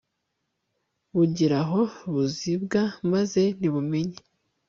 bugira aho buzibwa maze ntibumenye